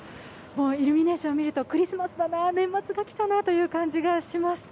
イルミネーションを見ると、クリスマスだな、年末がきたなという感じがします。